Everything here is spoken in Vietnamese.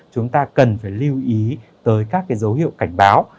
chúng ta cần phải lưu ý tới các cái dấu hiệu cảnh báo